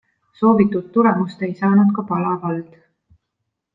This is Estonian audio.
Soovitud tulemust ei saanud ka Pala vald.